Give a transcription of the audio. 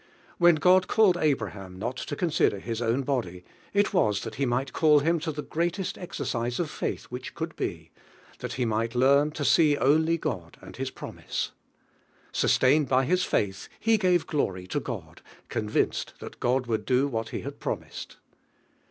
When God called Abraham not to consider his own body, it was that He might call him to the greatest exercise of faith which could he, that he might learn to see only God and nis promise Sustained by his 7J DIVINE HEALDra. faith, he gave glory to God, convinced that God would do what He had prom ised.